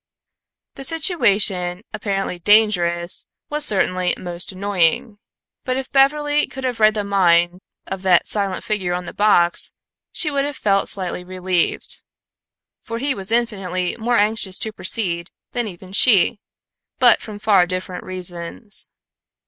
The situation, apparently dangerous, was certainly most annoying. But if Beverly could have read the mind of that silent figure on the box, she would have felt slightly relieved, for he was infinitely more anxious to proceed than even she; but from far different reasons.